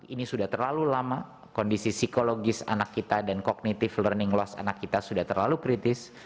ini sudah terlalu lama kondisi psikologis anak kita dan kognitif learning loss anak kita sudah terlalu kritis